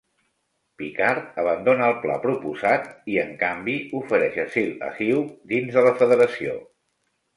Picard abandona el pla proposat i, en canvi, ofereix asil a Hugh dins de la Federació.